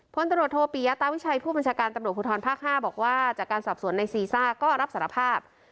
พลตรวจโทปิยาตาวิชัยผู้บัญชาการตำรวจภูทรภาค๕บอกว่าจากการสอบสวนในซีซ่าก็รับสารภาพ